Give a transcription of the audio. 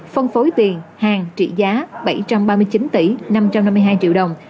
phân phối tiền hàng trị giá bảy trăm ba mươi chín tỷ năm trăm năm mươi hai triệu đồng